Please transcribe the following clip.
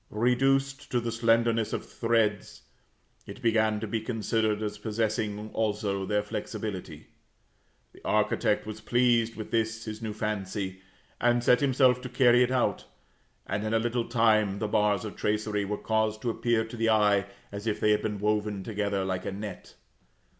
Reduced to the slenderness of threads, it began to be considered as possessing also their flexibility. The architect was pleased with this his new fancy, and set himself to carry it out; and in a little time, the bars of tracery were caused to appear to the eye as if they had been woven together like a net.